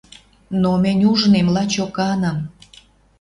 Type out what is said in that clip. Но мӹнь ужнем лачоканым